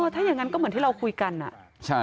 ถ้าอย่างนั้นก็เหมือนที่เราคุยกันอะ